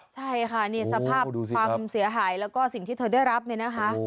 ใช่ค่ะนี่สภาพความเสียหายแล้วก็สิ่งที่เธอได้รับเนี่ยนะคะ